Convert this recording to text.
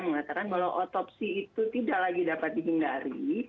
mengatakan kalau otopsi itu tidak lagi dapat dibingkari